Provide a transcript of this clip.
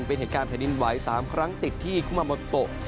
เป็นเหตุการณ์แผ่นดินไหว๓ครั้งติดที่คุมาโมโต